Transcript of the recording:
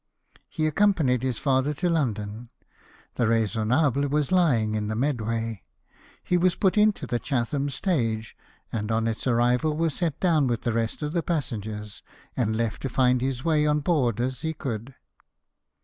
He accompanied his father to London. The Raisonnahle was lying in the Medway. He was put into the Chatham stage, and on its arrival was set down with the rest of the passengers, and left to find his way on board as he could.